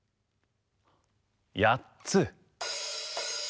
やっつ。